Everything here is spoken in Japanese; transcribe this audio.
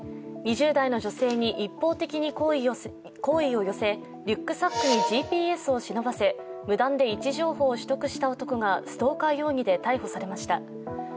２０代の女性に一方的に好意を寄せリュックサックにＧＰＳを忍ばせ無断で位置情報を取得した男がストーカー容疑で逮捕されました。